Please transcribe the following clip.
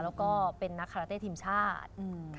แล้วก็เป็นนักคาราเต้ทีมชาติ